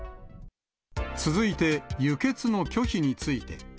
続いて輸血の拒否について。